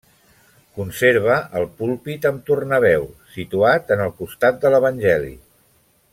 Conserva el púlpit amb tornaveu, situat en el costat de l'Evangeli.